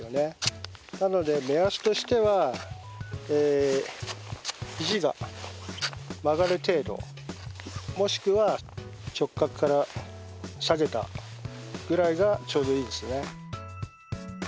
なので目安としては肘が曲がる程度もしくは直角から下げたぐらいがちょうどいいですね。